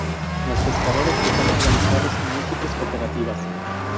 Los pescadores están organizados en múltiples cooperativas.